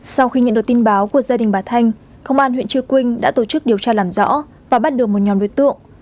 sau khi nhận được tin báo của gia đình bà thanh công an huyện chư quynh đã tổ chức điều tra làm rõ và bắt được một nhóm đối tượng